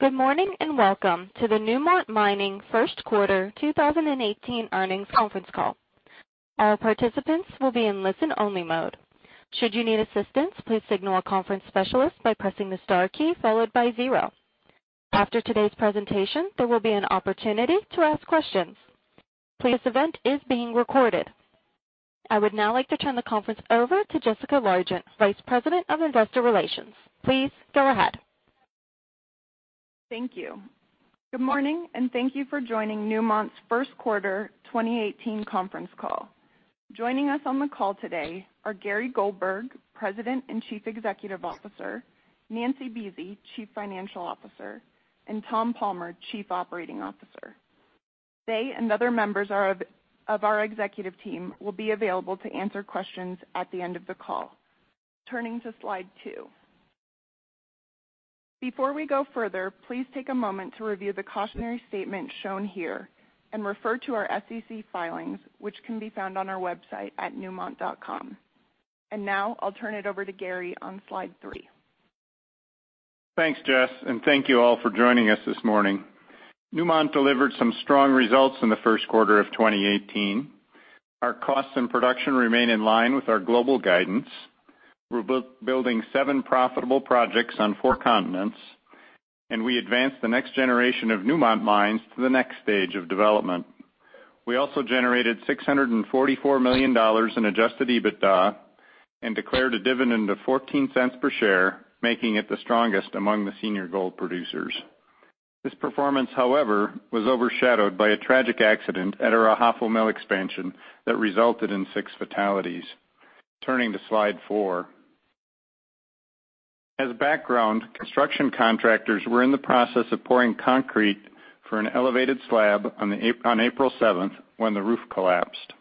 Good morning, and welcome to the Newmont Mining first quarter 2018 earnings conference call. All participants will be in listen only mode. Should you need assistance, please signal a conference specialist by pressing the star key followed by zero. After today's presentation, there will be an opportunity to ask questions. Please, this event is being recorded. I would now like to turn the conference over to Jessica Largent, Vice President of Investor Relations. Please go ahead. Thank you. Good morning, and thank you for joining Newmont's first quarter 2018 conference call. Joining us on the call today are Gary Goldberg, President and Chief Executive Officer, Nancy Buese, Chief Financial Officer, and Tom Palmer, Chief Operating Officer. They and other members of our executive team will be available to answer questions at the end of the call. Turning to slide two. Before we go further, please take a moment to review the cautionary statement shown here and refer to our SEC filings, which can be found on our website at newmont.com. Now I'll turn it over to Gary on slide three. Thanks, Jess, and thank you all for joining us this morning. Newmont delivered some strong results in the first quarter of 2018. Our costs and production remain in line with our global guidance. We're building seven profitable projects on four continents, and we advanced the next generation of Newmont mines to the next stage of development. We also generated $644 million in adjusted EBITDA and declared a dividend of $0.14 per share, making it the strongest among the senior gold producers. This performance, however, was overshadowed by a tragic accident at our Ahafo Mill Expansion that resulted in six fatalities. Turning to slide four. As background, construction contractors were in the process of pouring concrete for an elevated slab on April 7th when the roof collapsed.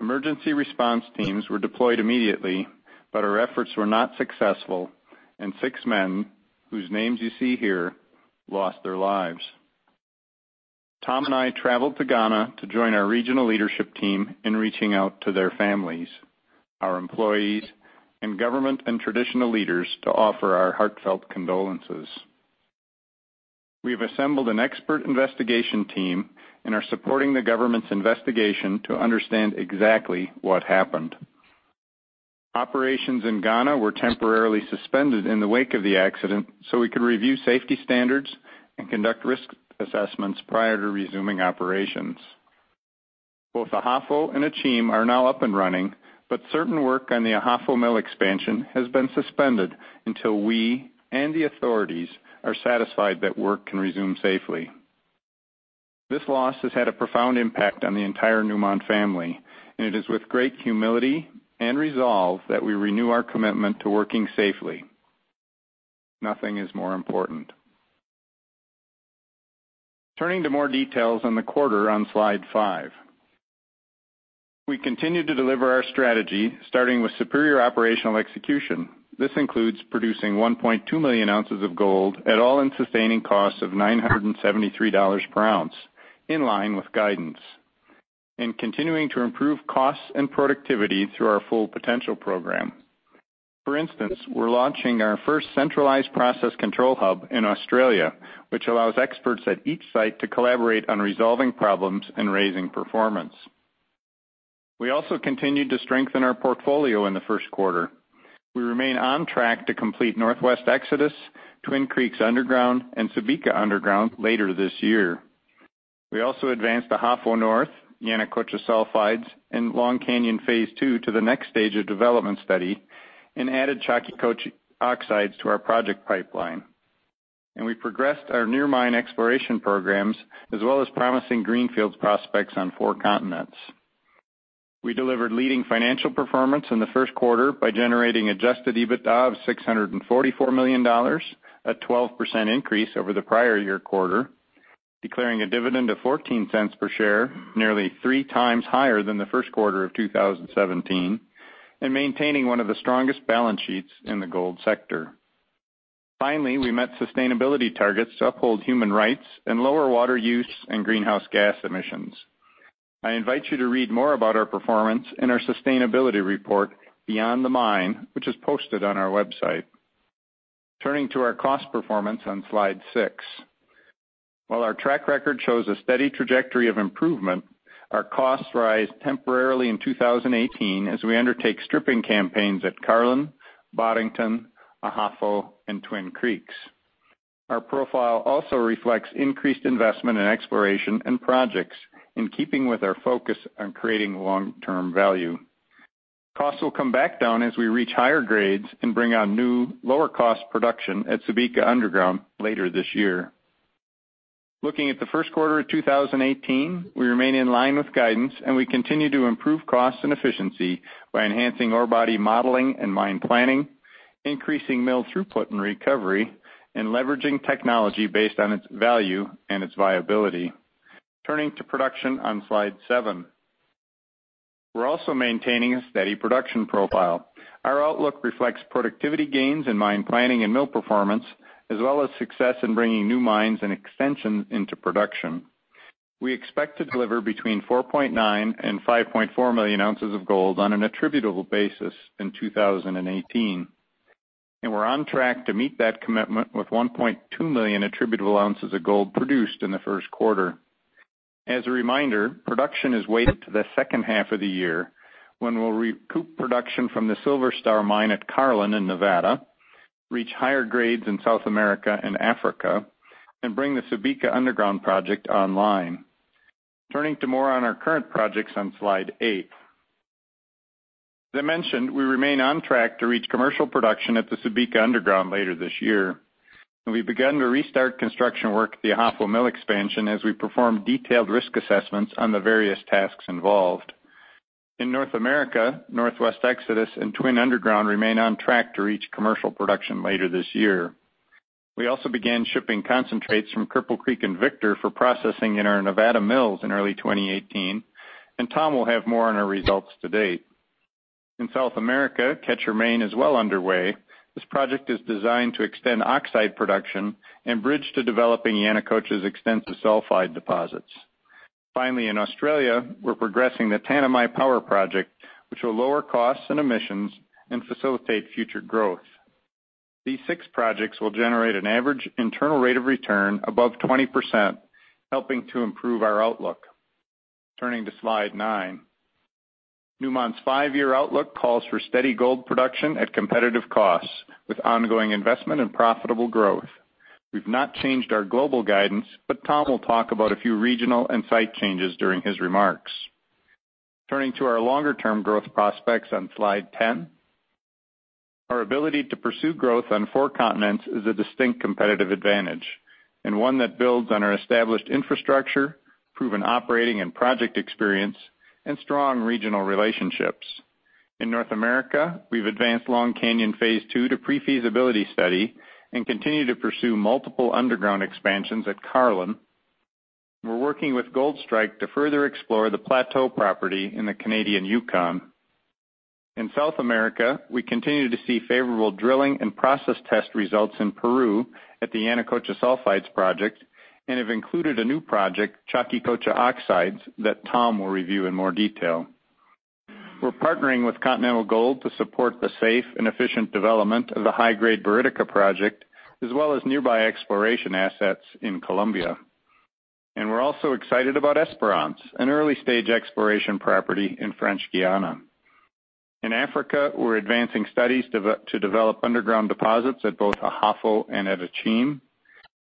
Emergency response teams were deployed immediately, but our efforts were not successful, and six men, whose names you see here, lost their lives. Tom and I traveled to Ghana to join our regional leadership team in reaching out to their families, our employees, and government and traditional leaders to offer our heartfelt condolences. We have assembled an expert investigation team and are supporting the government's investigation to understand exactly what happened. Operations in Ghana were temporarily suspended in the wake of the accident so we could review safety standards and conduct risk assessments prior to resuming operations. Both Ahafo and Akyem are now up and running, but certain work on the Ahafo Mill Expansion has been suspended until we and the authorities are satisfied that work can resume safely. This loss has had a profound impact on the entire Newmont family, and it is with great humility and resolve that we renew our commitment to working safely. Nothing is more important. Turning to more details on the quarter on Slide five. We continue to deliver our strategy, starting with superior operational execution. This includes producing 1.2 million ounces of gold at all-in sustaining costs of $973 per ounce, in line with guidance, and continuing to improve costs and productivity through our Full Potential program. For instance, we're launching our first centralized process control hub in Australia, which allows experts at each site to collaborate on resolving problems and raising performance. We also continued to strengthen our portfolio in the first quarter. We remain on track to complete Northwest Exodus, Twin Creeks Underground, and Subika Underground later this year. We also advanced Ahafo North, Yanacocha Sulfides, and Long Canyon Phase 2 to the next stage of development study and added Chaquicocha Oxides to our project pipeline. We progressed our new mine exploration programs as well as promising greenfields prospects on four continents. We delivered leading financial performance in the first quarter by generating adjusted EBITDA of $644 million, a 12% increase over the prior year quarter, declaring a dividend of $0.14 per share, nearly three times higher than the first quarter of 2017, and maintaining one of the strongest balance sheets in the gold sector. Finally, we met sustainability targets to uphold human rights and lower water use and greenhouse gas emissions. I invite you to read more about our performance in our sustainability report, Beyond the Mine, which is posted on our website. Turning to our cost performance on slide six. While our track record shows a steady trajectory of improvement, our costs rise temporarily in 2018 as we undertake stripping campaigns at Carlin, Boddington, Ahafo and Twin Creeks. Our profile also reflects increased investment in exploration and projects, in keeping with our focus on creating long-term value. Costs will come back down as we reach higher grades and bring on new, lower-cost production at Subika Underground later this year. Looking at the first quarter of 2018, we remain in line with guidance, and we continue to improve costs and efficiency by enhancing ore body modeling and mine planning, increasing mill throughput and recovery, and leveraging technology based on its value and its viability. Turning to production on slide seven. We're also maintaining a steady production profile. Our outlook reflects productivity gains in mine planning and mill performance, as well as success in bringing new mines and extensions into production. We expect to deliver between 4.9 and 5.4 million ounces of gold on an attributable basis in 2018, and we're on track to meet that commitment with 1.2 million attributable ounces of gold produced in the first quarter. As a reminder, production is weighted to the second half of the year, when we'll recoup production from the Silver Star Mine at Carlin in Nevada, reach higher grades in South America and Africa, and bring the Subika Underground project online. Turning to more on our current projects on slide eight. As I mentioned, we remain on track to reach commercial production at the Subika Underground later this year, and we've begun to restart construction work at the Ahafo Mill Expansion as we perform detailed risk assessments on the various tasks involved. In North America, Northwest Exodus and Twin Underground remain on track to reach commercial production later this year. We also began shipping concentrates from Cripple Creek and Victor for processing in our Nevada mills in early 2018, and Tom will have more on our results to date. In South America, Quecher Main is well underway. This project is designed to extend oxide production and bridge to developing Yanacocha's extensive sulfide deposits. Finally, in Australia, we're progressing the Tanami Power Project, which will lower costs and emissions and facilitate future growth. These six projects will generate an average internal rate of return above 20%, helping to improve our outlook. Turning to slide nine. Newmont's five-year outlook calls for steady gold production at competitive costs, with ongoing investment and profitable growth. We've not changed our global guidance, but Tom will talk about a few regional and site changes during his remarks. Turning to our longer-term growth prospects on slide 10. Our ability to pursue growth on four continents is a distinct competitive advantage and one that builds on our established infrastructure, proven operating and project experience, and strong regional relationships. In North America, we've advanced Long Canyon Phase 2 to pre-feasibility study and continue to pursue multiple underground expansions at Carlin. We're working with Goldstrike to further explore the Plateau property in the Canadian Yukon. In South America, we continue to see favorable drilling and process test results in Peru at the Yanacocha Sulfides Project and have included a new project, Chaquicocha Oxides, that Tom will review in more detail. We're partnering with Continental Gold to support the safe and efficient development of the high-grade Buriticá project, as well as nearby exploration assets in Colombia. We're also excited about Esperance, an early-stage exploration property in French Guiana. In Africa, we're advancing studies to develop underground deposits at both Ahafo and at Akyem,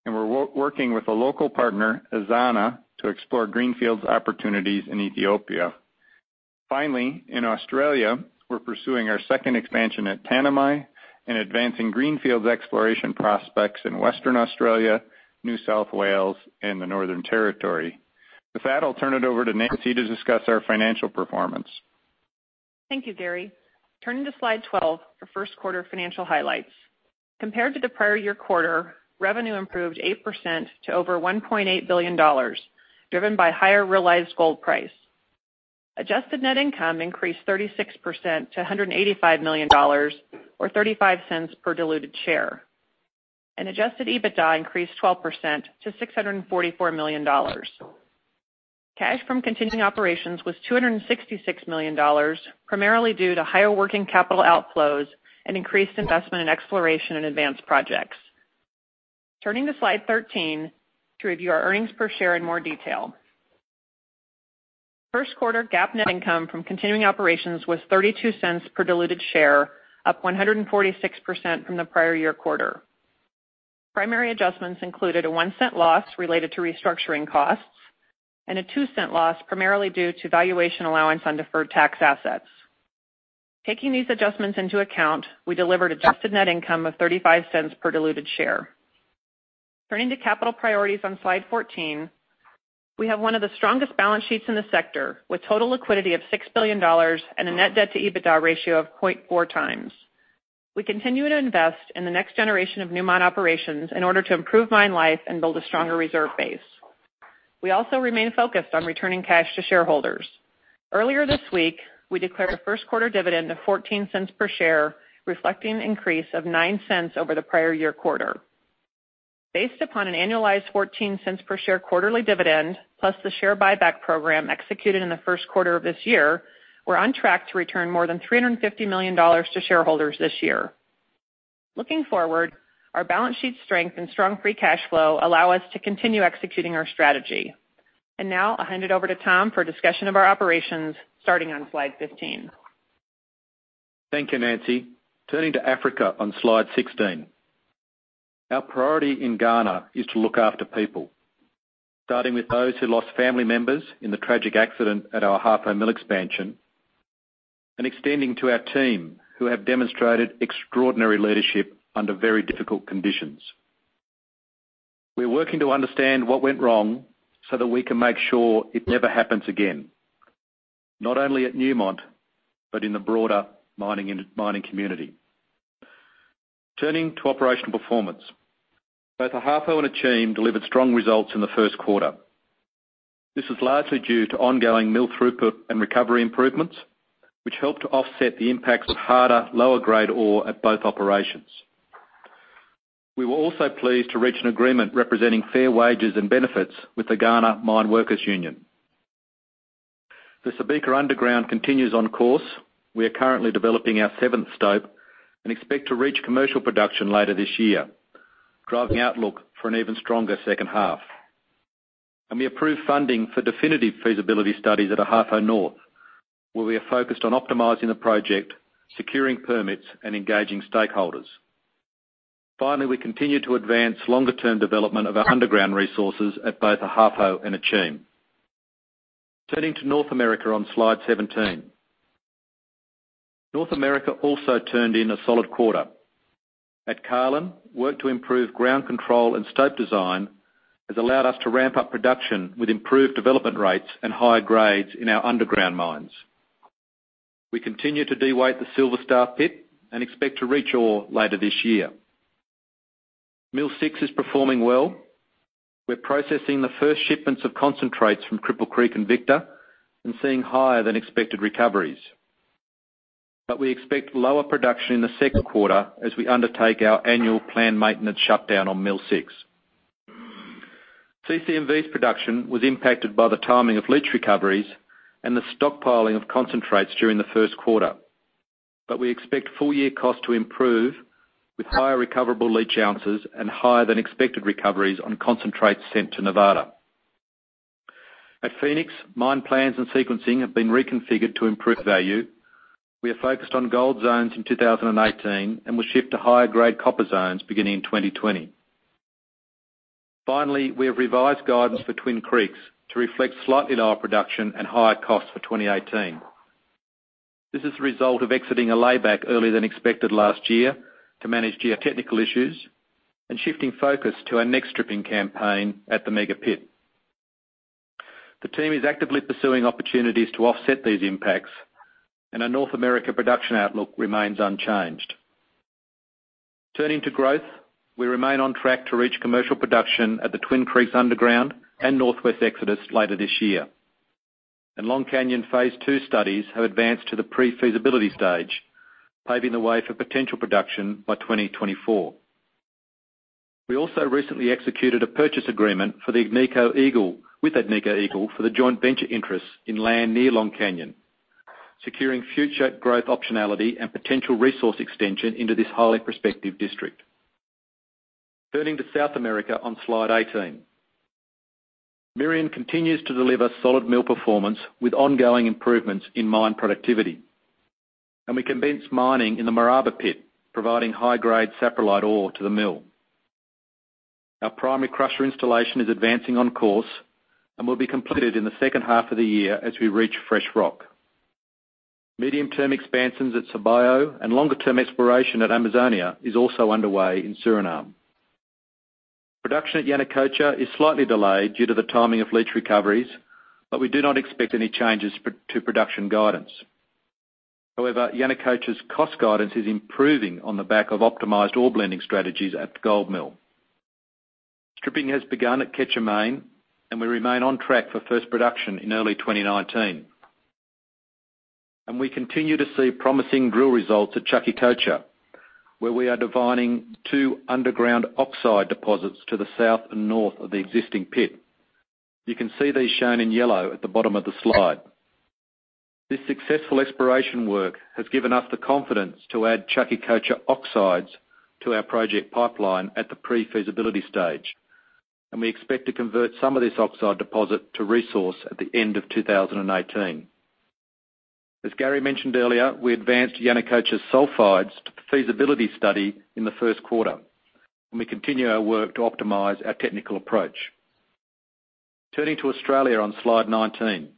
and we're working with a local partner, Ezana, to explore greenfields opportunities in Ethiopia. Finally, in Australia, we're pursuing our second expansion at Tanami and advancing greenfields exploration prospects in Western Australia, New South Wales, and the Northern Territory. With that, I'll turn it over to Nancy to discuss our financial performance. Thank you, Gary. Turning to slide 12 for first quarter financial highlights. Compared to the prior year quarter, revenue improved 8% to over $1.8 billion, driven by higher realized gold price. Adjusted net income increased 36% to $185 million, or $0.35 per diluted share. Adjusted EBITDA increased 12% to $644 million. Cash from continuing operations was $266 million, primarily due to higher working capital outflows and increased investment in exploration and advanced projects. Turning to slide 13 to review our earnings per share in more detail. First quarter GAAP net income from continuing operations was $0.32 per diluted share, up 146% from the prior year quarter. Primary adjustments included a $0.01 loss related to restructuring costs and a $0.02 loss, primarily due to valuation allowance on deferred tax assets. Taking these adjustments into account, we delivered adjusted net income of $0.35 per diluted share. Turning to capital priorities on slide 14, we have one of the strongest balance sheets in the sector, with total liquidity of $6 billion and a net debt to EBITDA ratio of 0.4 times. We continue to invest in the next generation of Newmont operations in order to improve mine life and build a stronger reserve base. We also remain focused on returning cash to shareholders. Earlier this week, we declared a first quarter dividend of $0.14 per share, reflecting an increase of $0.09 over the prior year quarter. Based upon an annualized $0.14 per share quarterly dividend, plus the share buyback program executed in the first quarter of this year, we're on track to return more than $350 million to shareholders this year. Looking forward, our balance sheet strength and strong free cash flow allow us to continue executing our strategy. Now I'll hand it over to Tom for a discussion of our operations, starting on slide 15. Thank you, Nancy. Turning to Africa on slide 16. Our priority in Ghana is to look after people, starting with those who lost family members in the tragic accident at our Ahafo Mill Expansion, and extending to our team who have demonstrated extraordinary leadership under very difficult conditions. We're working to understand what went wrong so that we can make sure it never happens again, not only at Newmont, but in the broader mining community. Turning to operational performance. Both Ahafo and Akyem delivered strong results in the first quarter. This is largely due to ongoing mill throughput and recovery improvements, which helped to offset the impacts of harder, lower-grade ore at both operations. We were also pleased to reach an agreement representing fair wages and benefits with the Ghana Mineworkers' Union. The Subika Underground continues on course. We are currently developing our seventh stope and expect to reach commercial production later this year, driving outlook for an even stronger second half. We approved funding for definitive feasibility studies at Ahafo North, where we are focused on optimizing the project, securing permits, and engaging stakeholders. Finally, we continue to advance longer-term development of our underground resources at both Ahafo and Akyem. Turning to North America on slide 17. North America also turned in a solid quarter. At Carlin, work to improve ground control and stope design has allowed us to ramp up production with improved development rates and higher grades in our underground mines. We continue to de-weight the Silver Star pit and expect to reach ore later this year. Mill Six is performing well. We're processing the first shipments of concentrates from Cripple Creek and Victor and seeing higher than expected recoveries. We expect lower production in the second quarter as we undertake our annual planned maintenance shutdown on Mill Six. CCMV's production was impacted by the timing of leach recoveries and the stockpiling of concentrates during the first quarter. We expect full-year cost to improve with higher recoverable leach ounces and higher than expected recoveries on concentrates sent to Nevada. At Phoenix, mine plans and sequencing have been reconfigured to improve value. We are focused on gold zones in 2018, and will shift to higher grade copper zones beginning in 2020. Finally, we have revised guidance for Twin Creeks to reflect slightly lower production and higher costs for 2018. This is the result of exiting a layback earlier than expected last year to manage geotechnical issues and shifting focus to our next stripping campaign at the Mega Pit. The team is actively pursuing opportunities to offset these impacts, and our North America production outlook remains unchanged. Turning to growth, we remain on track to reach commercial production at the Twin Creeks Underground and Northwest Exodus later this year. Long Canyon Phase II studies have advanced to the pre-feasibility stage, paving the way for potential production by 2024. We also recently executed a purchase agreement with the Agnico Eagle for the joint venture interests in land near Long Canyon, securing future growth optionality and potential resource extension into this highly prospective district. Turning to South America on slide 18. Merian continues to deliver solid mill performance with ongoing improvements in mine productivity. We commenced mining in the Maraba pit, providing high-grade saprolite ore to the mill. Our primary crusher installation is advancing on course and will be completed in the second half of the year as we reach fresh rock. Medium-term expansions at Sabajo and longer-term exploration at Amazonia is also underway in Suriname. Production at Yanacocha is slightly delayed due to the timing of leach recoveries. We do not expect any changes to production guidance. However, Yanacocha's cost guidance is improving on the back of optimized ore blending strategies at the gold mill. Stripping has begun at Quecher Main, and we remain on track for first production in early 2019. We continue to see promising drill results at Chaquicocha, where we are defining two underground oxide deposits to the south and north of the existing pit. You can see these shown in yellow at the bottom of the slide. This successful exploration work has given us the confidence to add Chaquicocha Oxides to our project pipeline at the pre-feasibility stage, and we expect to convert some of this oxide deposit to resource at the end of 2018. As Gary mentioned earlier, we advanced Yanacocha's Sulfides to feasibility study in the first quarter. We continue our work to optimize our technical approach. Turning to Australia on slide 19.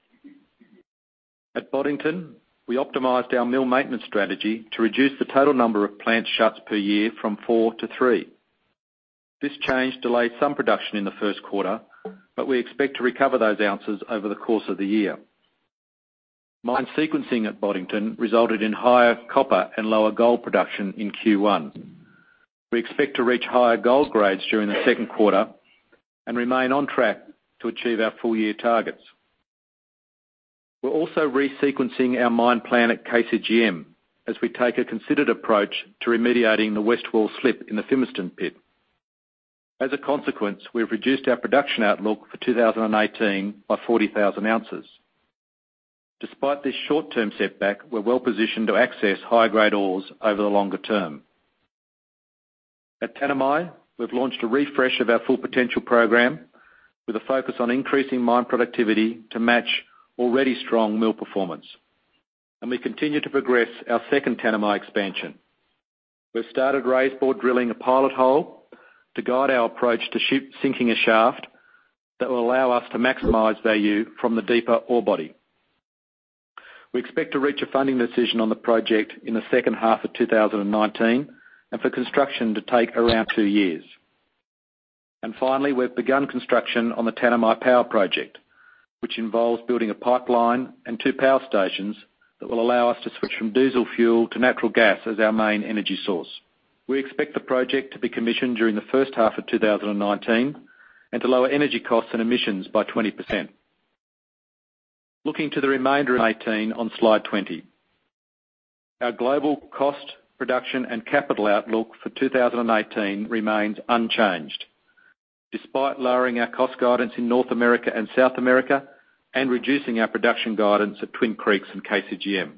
At Boddington, we optimized our mill maintenance strategy to reduce the total number of plant shuts per year from four to three. This change delayed some production in the first quarter. We expect to recover those ounces over the course of the year. Mine sequencing at Boddington resulted in higher copper and lower gold production in Q1. We expect to reach higher gold grades during the second quarter and remain on track to achieve our full-year targets. We're also resequencing our mine plan at KCGM as we take a considered approach to remediating the west wall slip in the Fimiston pit. As a consequence, we've reduced our production outlook for 2018 by 40,000 ounces. Despite this short-term setback, we're well-positioned to access high-grade ores over the longer term. At Tanami, we've launched a refresh of our Full Potential program with a focus on increasing mine productivity to match already strong mill performance. We continue to progress our second Tanami expansion. We've started raise-bore drilling a pilot hole to guide our approach to sinking a shaft that will allow us to maximize value from the deeper ore body. We expect to reach a funding decision on the project in the second half of 2019, and for construction to take around two years. Finally, we've begun construction on the Tanami Power Project, which involves building a pipeline and two power stations that will allow us to switch from diesel fuel to natural gas as our main energy source. We expect the project to be commissioned during the first half of 2019 and to lower energy costs and emissions by 20%. Looking to the remainder of 2018 on slide 20. Our global cost, production, and capital outlook for 2018 remains unchanged, despite lowering our cost guidance in North America and South America, and reducing our production guidance at Twin Creeks and KCGM.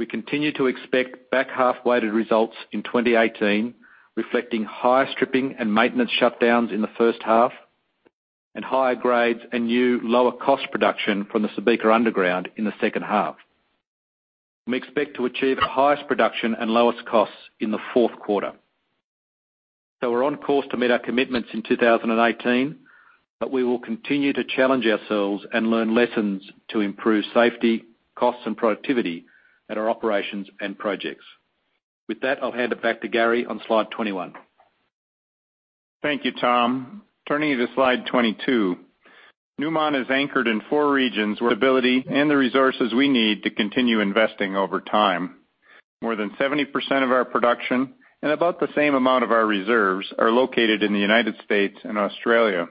We continue to expect back-half weighted results in 2018, reflecting higher stripping and maintenance shutdowns in the first half, and higher grades and new lower cost production from the Subika underground in the second half. We expect to achieve our highest production and lowest costs in the fourth quarter. We're on course to meet our commitments in 2018, but we will continue to challenge ourselves and learn lessons to improve safety, costs, and productivity at our operations and projects. With that, I'll hand it back to Gary on slide 21. Thank you, Tom. Turning to slide 22. Newmont is anchored in four regions, stability, and the resources we need to continue investing over time. More than 70% of our production and about the same amount of our reserves are located in the United States and Australia.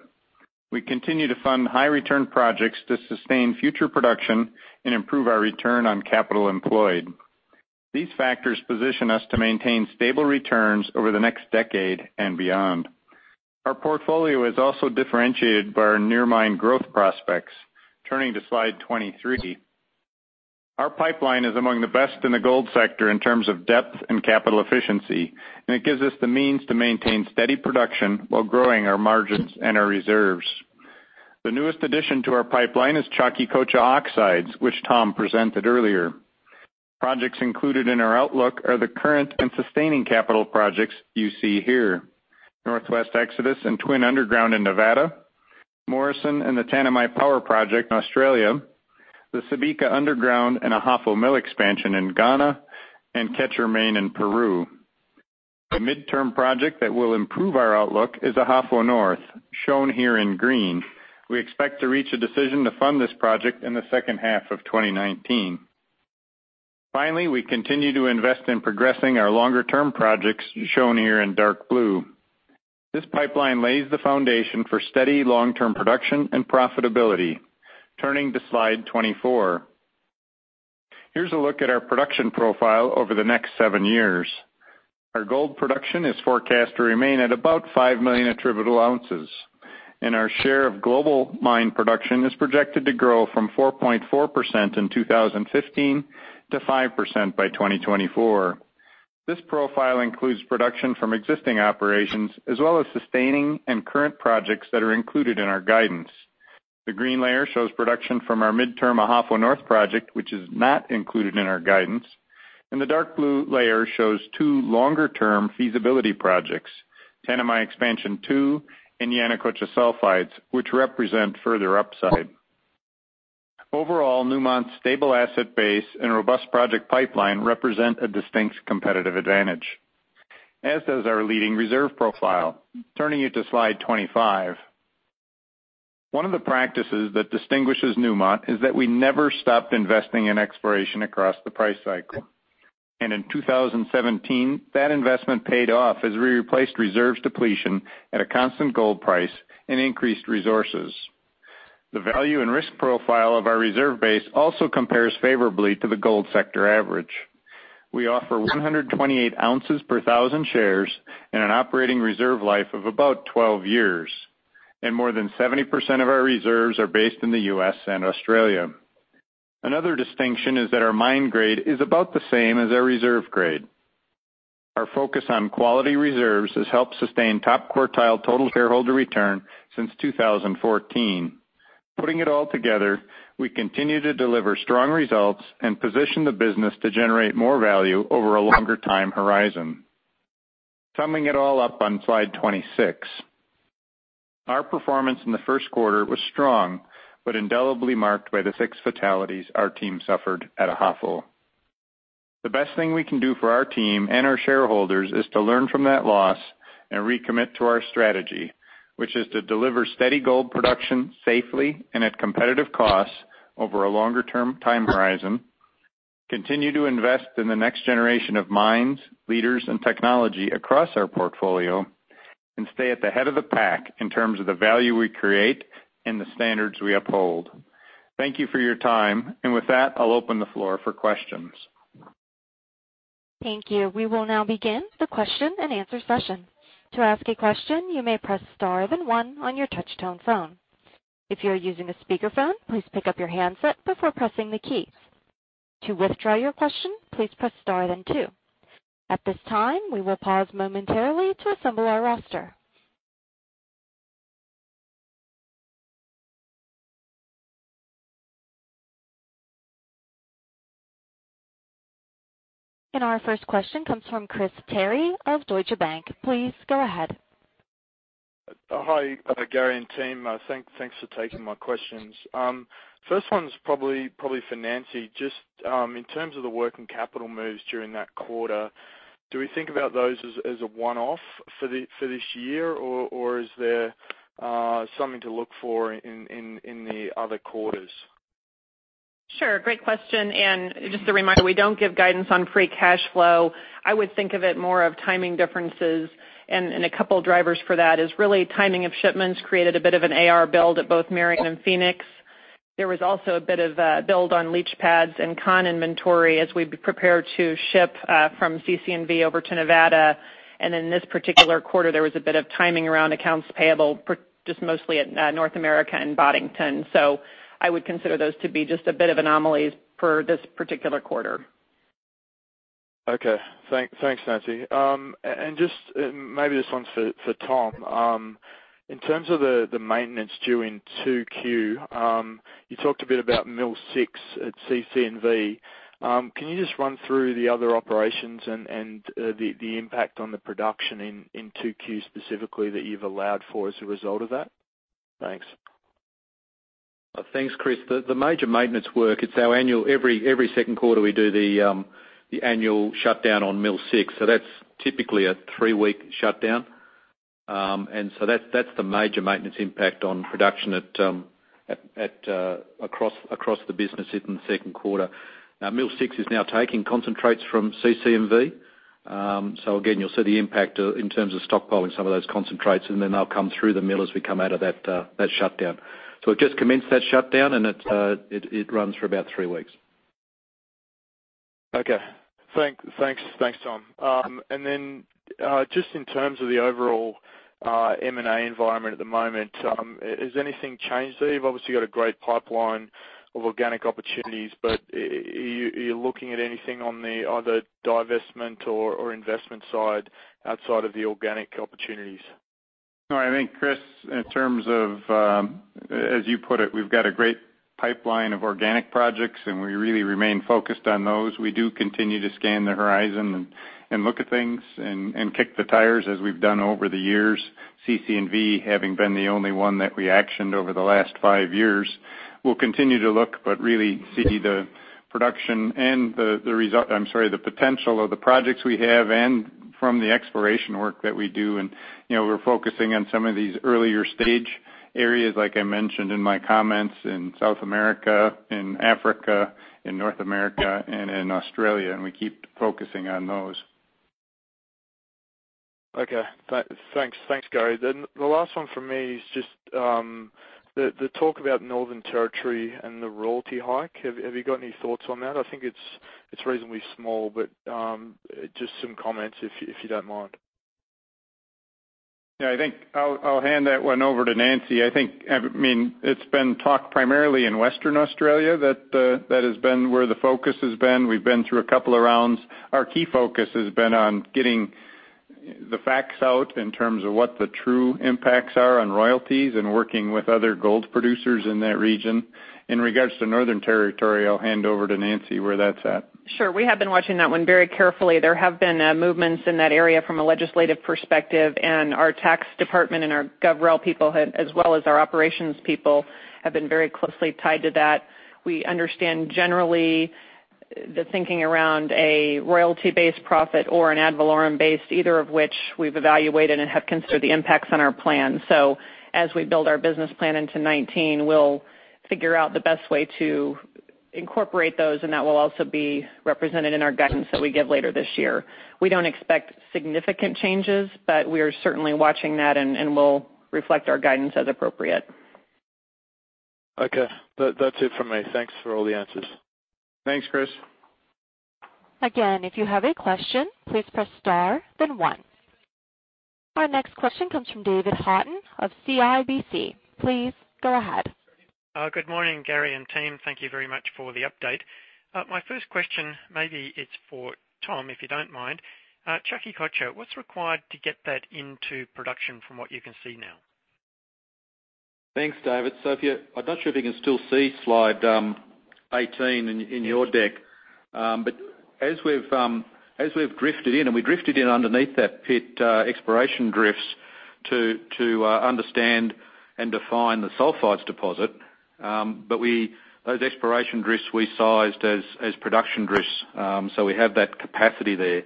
We continue to fund high return projects to sustain future production and improve our return on capital employed. These factors position us to maintain stable returns over the next decade and beyond. Our portfolio is also differentiated by our near mine growth prospects. Turning to slide 23. Our pipeline is among the best in the gold sector in terms of depth and capital efficiency, and it gives us the means to maintain steady production while growing our margins and our reserves. The newest addition to our pipeline is Chaquicocha Oxides, which Tom presented earlier. Projects included in our outlook are the current and sustaining capital projects you see here. Northwest Exodus and Twin Underground in Nevada, Morrison and the Tanami Power Project in Australia, the Subika Underground, and Ahafo Mill Expansion in Ghana, and Quecher Main in Peru. A midterm project that will improve our outlook is Ahafo North, shown here in green. We expect to reach a decision to fund this project in the second half of 2019. Finally, we continue to invest in progressing our longer-term projects, shown here in dark blue. This pipeline lays the foundation for steady long-term production and profitability. Turning to slide 24. Here's a look at our production profile over the next seven years. Our gold production is forecast to remain at about five million attributable ounces, and our share of global mine production is projected to grow from 4.4% in 2015 to 5% by 2024. This profile includes production from existing operations, as well as sustaining and current projects that are included in our guidance. The green layer shows production from our midterm Ahafo North project, which is not included in our guidance, and the dark blue layer shows two longer-term feasibility projects, Tanami Expansion 2 and Yanacocha Sulfides, which represent further upside. Overall, Newmont's stable asset base and robust project pipeline represent a distinct competitive advantage, as does our leading reserve profile. Turning you to slide 25. One of the practices that distinguishes Newmont is that we never stopped investing in exploration across the price cycle. In 2017, that investment paid off as we replaced reserves depletion at a constant gold price and increased resources. The value and risk profile of our reserve base also compares favorably to the gold sector average. We offer 128 ounces per thousand shares and an operating reserve life of about 12 years, and more than 70% of our reserves are based in the U.S. and Australia. Another distinction is that our mine grade is about the same as our reserve grade. Our focus on quality reserves has helped sustain top-quartile total shareholder return since 2014. Putting it all together, we continue to deliver strong results and position the business to generate more value over a longer time horizon. Summing it all up on slide 26. Our performance in the first quarter was strong, but indelibly marked by the six fatalities our team suffered at Ahafo. The best thing we can do for our team and our shareholders is to learn from that loss and recommit to our strategy, which is to deliver steady gold production safely and at competitive costs over a longer-term time horizon, continue to invest in the next generation of mines, leaders, and technology across our portfolio, and stay at the head of the pack in terms of the value we create and the standards we uphold. Thank you for your time. With that, I'll open the floor for questions. Thank you. We will now begin the question and answer session. To ask a question, you may press star then one on your touchtone phone. If you are using a speakerphone, please pick up your handset before pressing the key. To withdraw your question, please press star then two. At this time, we will pause momentarily to assemble our roster. Our first question comes from Chris Terry of Deutsche Bank. Please go ahead. Hi, Gary and team. Thanks for taking my questions. First one's probably for Nancy. Just in terms of the working capital moves during that quarter, do we think about those as a one-off for this year, or is there something to look for in the other quarters? Sure, great question. Just a reminder, we don't give guidance on free cash flow. I would think of it more of timing differences. A couple of drivers for that is really timing of shipments created a bit of an AR build at both Merian and Phoenix. There was also a bit of a build on leach pads and con inventory as we prepare to ship from CC&V over to Nevada. In this particular quarter, there was a bit of timing around accounts payable, just mostly at North America and Boddington. I would consider those to be just a bit of anomalies for this particular quarter. Okay. Thanks, Nancy. Maybe this one's for Tom. In terms of the maintenance due in 2Q, you talked a bit about Mill Six at CC&V. Can you just run through the other operations and the impact on the production in 2Q specifically that you've allowed for as a result of that? Thanks. Thanks, Chris. The major maintenance work, every second quarter, we do the annual shutdown on Mill Six. That's typically a three-week shutdown. That's the major maintenance impact on production across the business in the second quarter. Mill six is now taking concentrates from CC&V. Again, you'll see the impact in terms of stockpiling some of those concentrates, and then they'll come through the mill as we come out of that shutdown. We've just commenced that shutdown, and it runs for about three weeks. Okay. Thanks, Tom. Just in terms of the overall M&A environment at the moment, has anything changed there? You've obviously got a great pipeline of organic opportunities, but are you looking at anything on the other divestment or investment side outside of the organic opportunities? No, I think, Chris, in terms of, as you put it, we've got a great pipeline of organic projects, and we really remain focused on those. We do continue to scan the horizon and look at things and kick the tires as we've done over the years. CC&V having been the only one that we actioned over the last five years. We'll continue to look, but really see the potential of the projects we have and from the exploration work that we do. We're focusing on some of these earlier stage areas, like I mentioned in my comments, in South America, in Africa, in North America, and in Australia, and we keep focusing on those. Okay. Thanks, Gary. The last one from me is just the talk about Northern Territory and the royalty hike. Have you got any thoughts on that? I think it's reasonably small, but just some comments, if you don't mind. I think I'll hand that one over to Nancy. It's been talked primarily in Western Australia. That has been where the focus has been. We've been through a couple of rounds. Our key focus has been on getting the facts out in terms of what the true impacts are on royalties and working with other gold producers in that region. In regards to Northern Territory, I'll hand over to Nancy, where that's at. Sure. We have been watching that one very carefully. There have been movements in that area from a legislative perspective, our tax department and our gov rel people, as well as our operations people, have been very closely tied to that. We understand generally the thinking around a royalty-based profit or an ad valorem based, either of which we've evaluated and have considered the impacts on our plan. As we build our business plan into 2019, we'll figure out the best way to incorporate those, that will also be represented in our guidance that we give later this year. We don't expect significant changes, we are certainly watching that, and we'll reflect our guidance as appropriate. Okay. That's it from me. Thanks for all the answers. Thanks, Chris. Again, if you have a question, please press star, then one. Our next question comes from David Haughton of CIBC. Please go ahead. Good morning, Gary and team. Thank you very much for the update. My first question, maybe it's for Tom, if you don't mind. Chaquicocha, what's required to get that into production from what you can see now? Thanks, David. I'm not sure if you can still see slide 18 in your deck. As we've drifted in, we drifted in underneath that pit exploration drifts to understand and define the sulfides deposit. Those exploration drifts we sized as production drifts. We have that capacity there.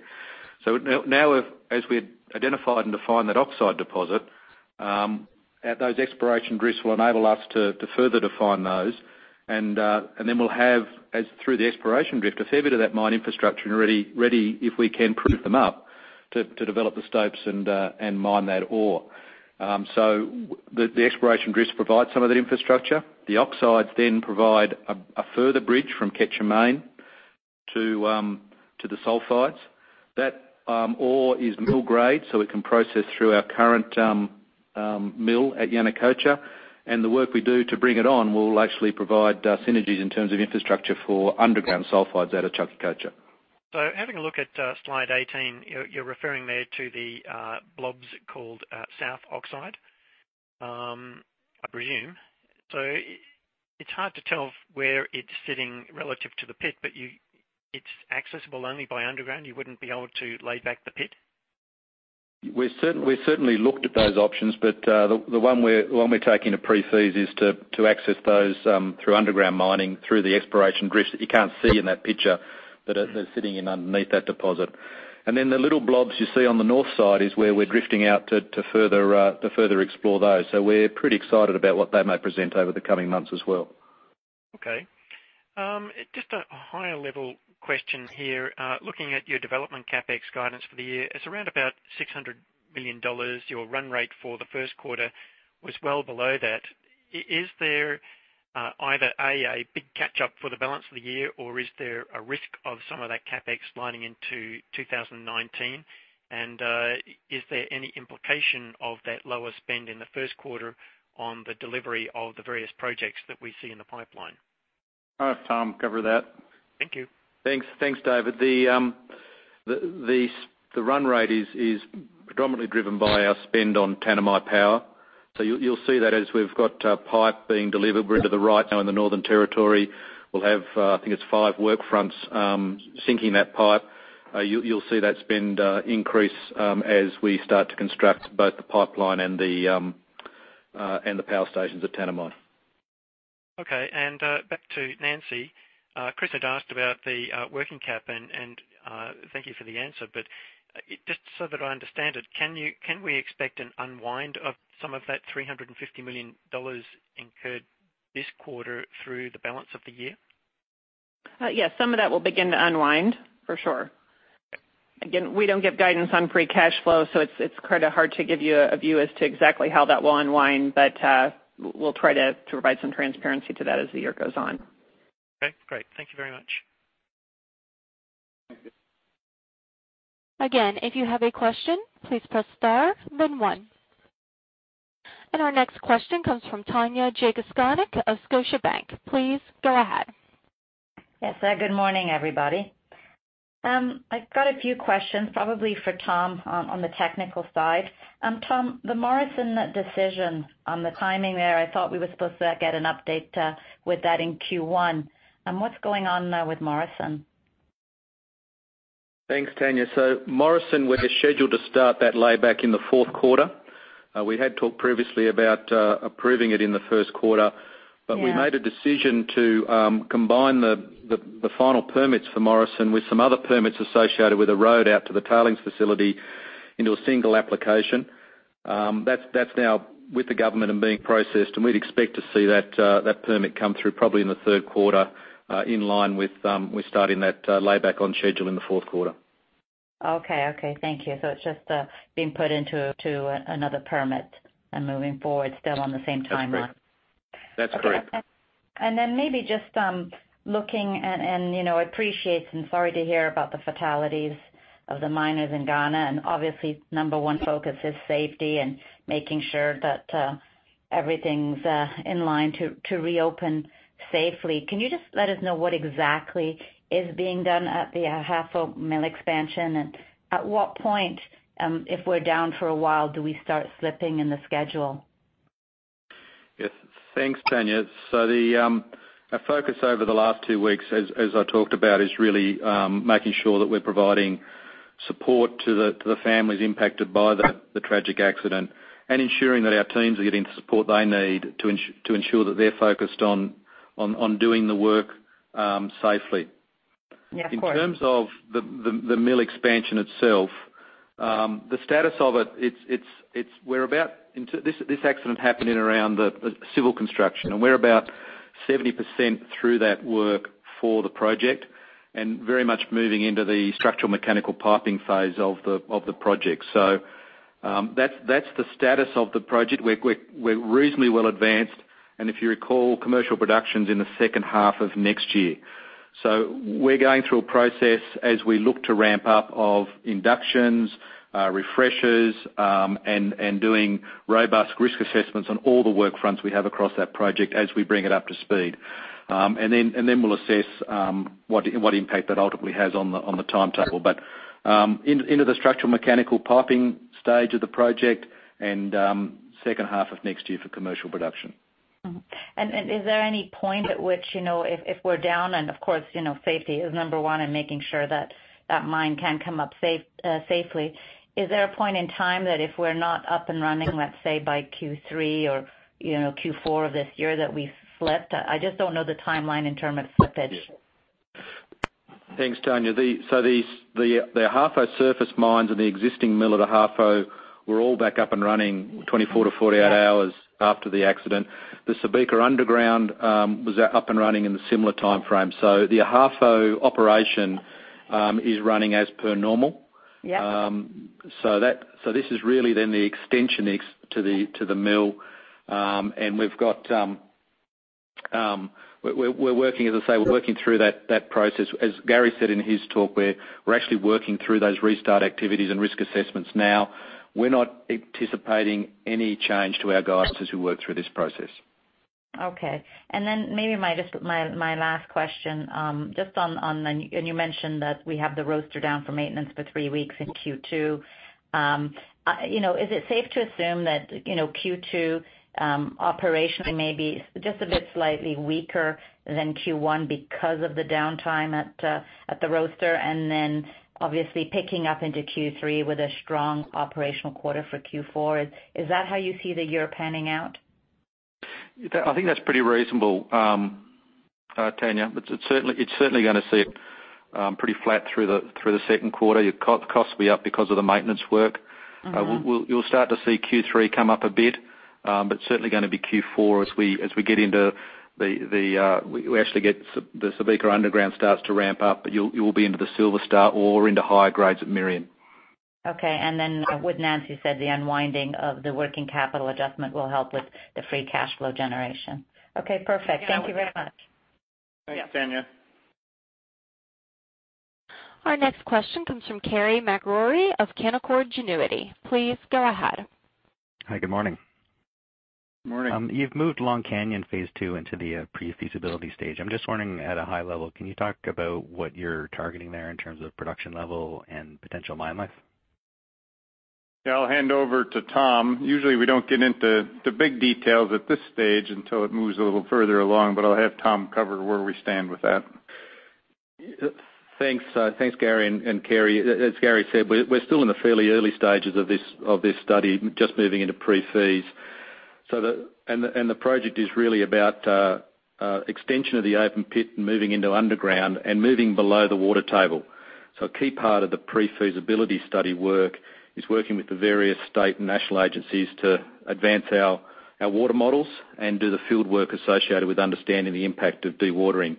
Now as we've identified and defined that oxide deposit, those exploration drifts will enable us to further define those. Then we'll have, through the exploration drift, a fair bit of that mine infrastructure ready if we can prove them up to develop the stopes and mine that ore. The exploration drifts provide some of that infrastructure. The oxides provide a further bridge from Quecher Main to the sulfides. That ore is mill grade, we can process through our current mill at Yanacocha, the work we do to bring it on will actually provide synergies in terms of infrastructure for underground sulfides out of Chaquicocha. Having a look at slide 18, you're referring there to the blobs called South Oxide, I presume. It's hard to tell where it's sitting relative to the pit, but it's accessible only by underground? You wouldn't be able to lay back the pit? We certainly looked at those options, but the one we're taking to pre-feas is to access those through underground mining, through the exploration drifts that you can't see in that picture, but they're sitting in underneath that deposit. The little blobs you see on the north side is where we're drifting out to further explore those. We're pretty excited about what they may present over the coming months as well. Okay. Just a higher-level question here. Looking at your development CapEx guidance for the year, it's around about $600 million. Your run rate for the first quarter was well below that. Is there either, A, a big catch-up for the balance of the year, or is there a risk of some of that CapEx sliding into 2019? Is there any implication of that lower spend in the first quarter on the delivery of the various projects that we see in the pipeline? I'll have Tom cover that. Thank you. Thanks, David. The run rate is predominantly driven by our spend on Tanami Power. You'll see that as we've got pipe being delivered, we're into the right now in the Northern Territory. We'll have, I think it's five work fronts sinking that pipe. You'll see that spend increase as we start to construct both the pipeline and the power stations at Tanami. Okay. Back to Nancy. Chris had asked about the working cap and thank you for the answer, but just so that I understand it, can we expect an unwind of some of that $350 million incurred this quarter through the balance of the year? Yes, some of that will begin to unwind, for sure. Again, we don't give guidance on free cash flow, so it's kind of hard to give you a view as to exactly how that will unwind, but we'll try to provide some transparency to that as the year goes on. Okay, great. Thank you very much. Thank you. Again, if you have a question, please press star then one. Our next question comes from Tanya Jakusconek of Scotiabank. Please go ahead. Yes. Good morning, everybody. I've got a few questions, probably for Tom on the technical side. Tom, the Morrison decision on the timing there, I thought we were supposed to get an update with that in Q1. What's going on now with Morrison? Thanks, Tanya. Morrison, we're scheduled to start that layback in the fourth quarter. We had talked previously about approving it in the first quarter. Yeah. We made a decision to combine the final permits for Morrison with some other permits associated with a road out to the tailings facility into a single application. That's now with the government and being processed, and we'd expect to see that permit come through probably in the third quarter, in line with starting that layback on schedule in the fourth quarter. Okay. Thank you. It's just being put into another permit and moving forward still on the same timeline. That's correct. Looking and appreciating, sorry to hear about the fatalities of the miners in Ghana, and obviously, number one focus is safety and making sure that everything's in line to reopen safely. Can you just let us know what exactly is being done at the Ahafo Mill Expansion and at what point, if we're down for a while, do we start slipping in the schedule? Yes. Thanks, Tanya. Our focus over the last two weeks, as I talked about, is really making sure that we're providing support to the families impacted by the tragic accident and ensuring that our teams are getting the support they need to ensure that they're focused on doing the work safely. Yeah, of course. In terms of the Mill Expansion itself, the status of it, this accident happened in around the civil construction, and we're about 70% through that work for the project and very much moving into the structural mechanical piping phase of the project. That's the status of the project. We're reasonably well advanced, and if you recall, commercial production's in the second half of next year. We're going through a process as we look to ramp up of inductions, refreshers, and doing robust risk assessments on all the work fronts we have across that project as we bring it up to speed. We'll assess what impact that ultimately has on the timetable. The project is into the structural mechanical piping stage and commercial production is in the second half of next year. Mm-hmm. Is there any point at which if we're down, and of course, safety is number one and making sure that that mine can come up safely. Is there a point in time that if we're not up and running, let's say by Q3 or Q4 of this year, that we've slipped? I just don't know the timeline in term of slippage. Thanks, Tanya. The Ahafo surface mines and the existing mill at Ahafo were all back up and running 24 to 48 hours after the accident. The Subika underground was up and running in a similar timeframe. The Ahafo operation is running as per normal. Yep. This is really then the extension to the mill. We're working, as I say, we're working through that process. As Gary said in his talk, we're actually working through those restart activities and risk assessments now. We're not anticipating any change to our guidance as we work through this process. Okay. Then maybe my last question. You mentioned that we have the roaster down for maintenance for three weeks in Q2. Is it safe to assume that Q2 operationally may be just a bit slightly weaker than Q1 because of the downtime at the roaster, then obviously picking up into Q3 with a strong operational quarter for Q4? Is that how you see the year panning out? I think that's pretty reasonable, Tanya. It's certainly going to see pretty flat through the second quarter. Your costs will be up because of the maintenance work. You'll start to see Q3 come up a bit, certainly going to be Q4 as we actually get the Subika underground starts to ramp up. You'll be into the Silver Star or into higher grades at Merian. What Nancy said, the unwinding of the working capital adjustment will help with the free cash flow generation. Perfect. Thank you very much. Thanks, Tanya. Yeah. Our next question comes from Carey MacRory of Canaccord Genuity. Please go ahead. Hi, good morning. Morning. You've moved Long Canyon Phase 2 into the pre-feasibility stage. I'm just wondering, at a high level, can you talk about what you're targeting there in terms of production level and potential mine life? Yeah, I'll hand over to Tom. Usually we don't get into the big details at this stage until it moves a little further along, but I'll have Tom cover where we stand with that. Thanks. Thanks, Gary and Carey. As Gary said, we're still in the fairly early stages of this study, just moving into pre-fees. The project is really about extension of the open pit and moving into underground and moving below the water table. A key part of the pre-feasibility study work is working with the various state and national agencies to advance our water models and do the field work associated with understanding the impact of dewatering.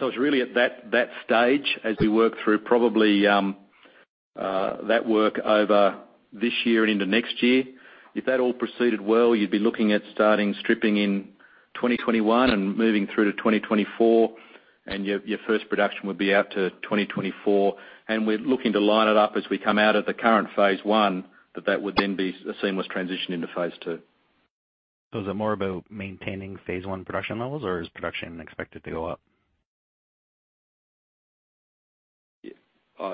It's really at that stage as we work through probably that work over this year and into next year. If that all proceeded well, you'd be looking at starting stripping in 2021 and moving through to 2024, and your first production would be out to 2024. We're looking to line it up as we come out of the current phase 1 that that would then be a seamless transition into phase 2. Is it more about maintaining phase 1 production levels, or is production expected to go up?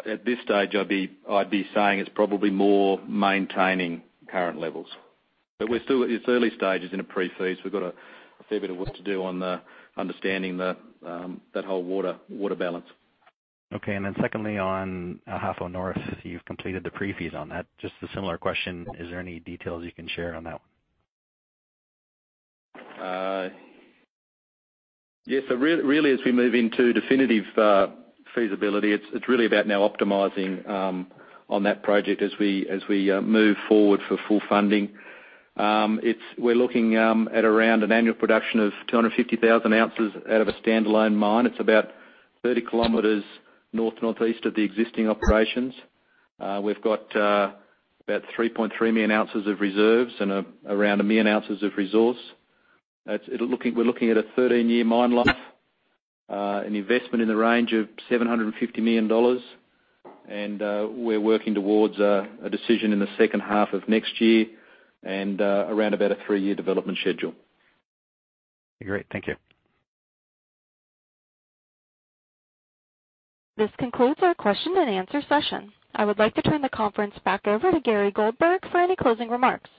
At this stage, I'd be saying it's probably more maintaining current levels. It's early stages in a pre-fees. We've got a fair bit of work to do on understanding that whole water balance. Okay. Then secondly, on Ahafo North, you've completed the pre-fees on that. Just a similar question, is there any details you can share on that one? Yeah. Really as we move into definitive feasibility, it's really about now optimizing on that project as we move forward for full funding. We're looking at around an annual production of 250,000 ounces out of a standalone mine. It's about 30 km north, northeast of the existing operations. We've got about 3.3 million ounces of reserves and around a million ounces of resource. We're looking at a 13-year mine life, an investment in the range of $750 million. We're working towards a decision in the second half of next year and around about a three-year development schedule. Great. Thank you. This concludes our question and answer session. I would like to turn the conference back over to Gary Goldberg for any closing remarks.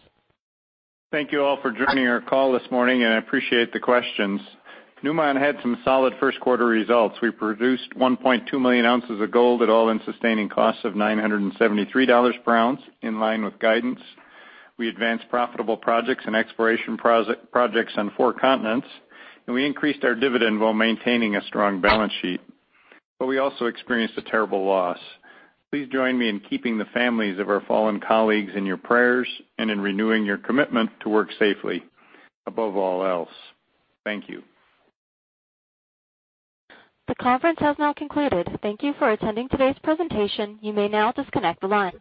Thank you all for joining our call this morning. I appreciate the questions. Newmont had some solid first quarter results. We produced 1.2 million ounces of gold at all-in sustaining costs of $973 per ounce in line with guidance. We advanced profitable projects and exploration projects on four continents. We increased our dividend while maintaining a strong balance sheet. We also experienced a terrible loss. Please join me in keeping the families of our fallen colleagues in your prayers and in renewing your commitment to work safely above all else. Thank you. The conference has now concluded. Thank you for attending today's presentation. You may now disconnect the line.